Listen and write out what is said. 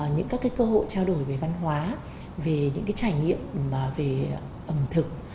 những các cơ hội trao đổi về văn hóa về những trải nghiệm về ẩm thực